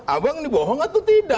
abang ini bohong atau tidak